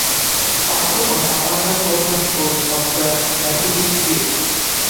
Parker was appointed permanent coach of the varsity crew.